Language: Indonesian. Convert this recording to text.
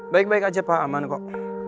baik baik aja pak aman kok